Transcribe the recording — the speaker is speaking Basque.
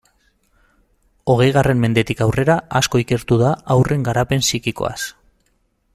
Hogeigarren mendetik aurrera asko ikertu da haurren garapen psikikoaz.